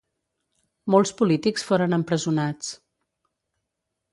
Molts polítics foren empresonats.